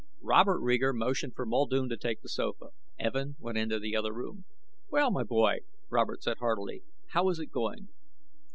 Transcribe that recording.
Robert Reeger motioned for Muldoon to take the sofa. Evin went into the other room. "Well, my boy," Robert said heartily. "How is it going?"